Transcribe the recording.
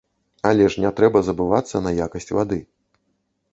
Але ж не трэба забывацца на якасць вады.